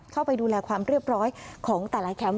เข้าไปดูแลความเรียบร้อยของแต่ละแคมป์